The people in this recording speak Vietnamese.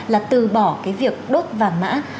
là từ bỏ cái việc đốt vàng mã